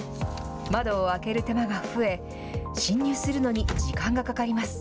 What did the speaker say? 窓を開ける手間が増え、侵入するのに時間がかかります。